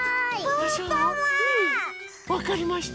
わかりました。